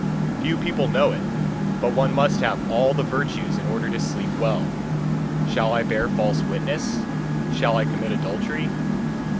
Few people know it, but one must have all the virtues in order to sleep well. Shall I bear false witness? Shall I commit adultery?